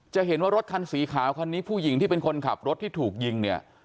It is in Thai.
จะเห็นว่ารถคันสีขาวคันนี้ผู้หญิงที่เป็นคนขับรถที่ถูกยิงเนี่ย